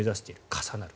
重なる。